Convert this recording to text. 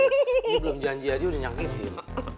dia belum janji aja udah nyakit ya